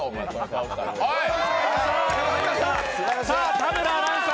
田村アナウンサー！